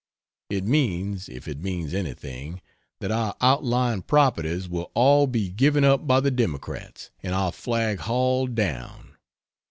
It means, if it means anything, that our outlying properties will all be given up by the Democrats, and our flag hauled down.